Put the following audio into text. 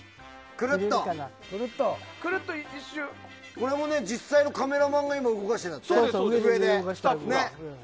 これも実際のカメラマンが上で動かしてるんだって。